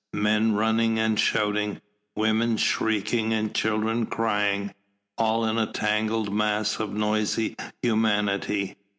Men running and shouting, women shrieking and children crying, all in a tangled mass of noisy humanity.